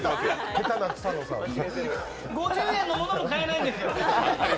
５０円のものも買えないんですよ。